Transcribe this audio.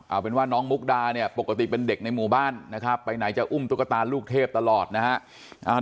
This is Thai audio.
เอาเป็นว่าน้องมุกดาเนี่ยปกติเป็นเด็กในหมู่บ้านนะครับไปไหนจะอุ้มตุ๊กตาลูกเทพตลอดนะฮะ